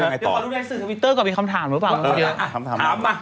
เดี๋ยวก่อนรู้ได้สื่อสวิตเตอร์ก็มีคำถามหรือเปล่าเออคำถามมา